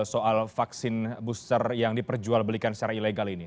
soal vaksin booster yang diperjual belikan secara ilegal ini